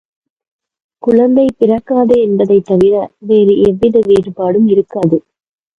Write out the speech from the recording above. குழந்தை பிறக்காது என்பதைத் தவிர வேறு எவ்வித வேறுபாடும் இருக்காது.